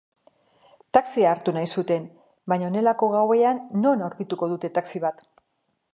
Taxia hartu nahi zuten, baina honelako gauean non aurkituko dute taxi bat?